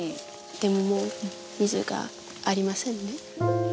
でももう水がありませんね。